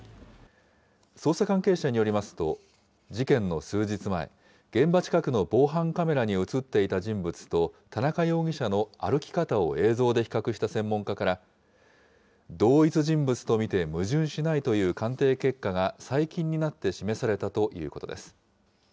捜査関係者によりますと、事件の数日前、現場近くの防犯カメラに写っていた人物と田中容疑者の歩き方を映像で比較した専門家から、同一人物と見て矛盾しないという鑑定結果が最近になって示されたということです。